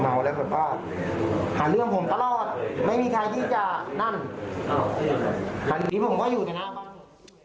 เมาแล้วแบบว่าหาเรื่องผมตลอดไม่มีใครที่จะนั่นทีนี้ผมก็อยู่ในหน้าบ้าน